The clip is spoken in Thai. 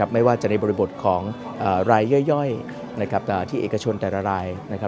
ไม่ว่าจะในบริบทของรายย่อยที่เอกชนแต่ละราย